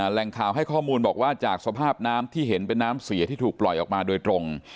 แหล่งข่าวให้ข้อมูลบอกว่าจากสภาพน้ำที่เห็นเป็นน้ำเสียที่ถูกปล่อยออกมาโดยตรง